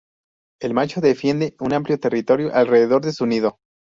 El macho defiende una amplio territorio alrededor de su nido.